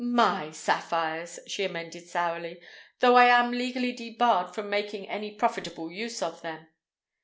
"My sapphires," she amended sourly; "though I am legally debarred from making any profitable use of them."